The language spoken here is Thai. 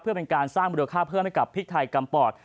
เพื่อเป็นการสร้างมูลค่าเพิ่มให้กับพริกไทยกำปอด